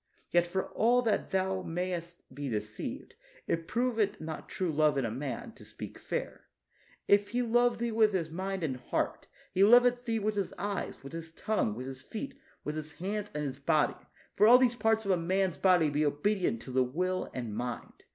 Yet for all that thou mayest be deceived. It proveth not true love in a man, to speak fair. If he love thee with his mind and heart, he loveth thee with his eyes, with his tongue, with his feet, with his hands and his body : for all these parts of a man's body be obedient to the will and mind.